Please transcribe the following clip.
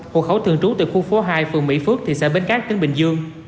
hộ khẩu thường trú từ khu phố hai phường mỹ phước thị xã bến cát tỉnh bình dương